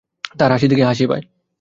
তাহার হাসি দেখিয়া হাসি পায়।